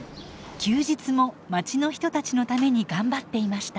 休日もまちの人たちのために頑張っていました。